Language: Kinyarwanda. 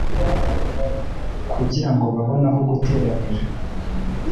Kugira ngo babone aho guteranira,